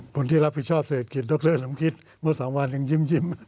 คนที่รับผิดชอบเศรษฐกิจดรสมคิตเมื่อ๓วันยังยิ้ม